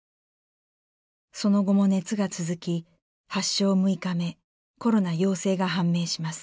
その後も熱が続き発症６日目コロナ陽性が判明します。